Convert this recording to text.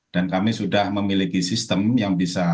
dan kami sudah memiliki sistem yang bisa